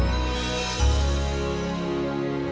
nggak ada di rumah pak